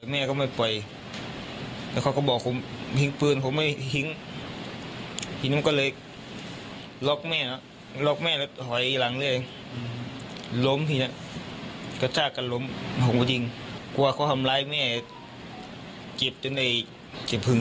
แม่ก็ไม่ปล่อยเดี๋ยวพ่อก็บอกผมหิงพื้นผมไม่หิง